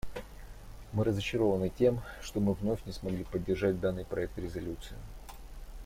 Мы разочарованы тем, что мы вновь не смогли поддержать данный проект резолюции.